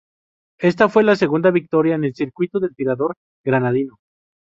Esta fue la segunda victoria en el circuito del tirador granadino.